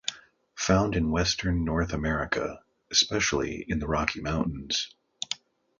Found in western North America, especially in the Rocky Mountains.